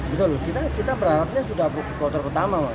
itu untuk siang ini yang sudah sampai kota pertama berarti